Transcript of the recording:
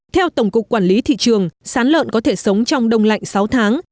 theo tổng cục quản lý thị trường sán lợn có thể sống trong đông lạnh sáu tháng